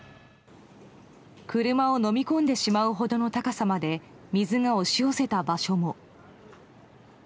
車をのみ込んでしまうほどの高さまで水が押し寄せた場所も。